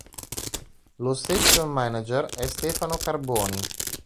Lo station manager è Stefano Carboni.